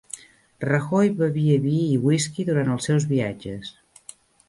Rajoy bevia vi i whisky durant els seus viatges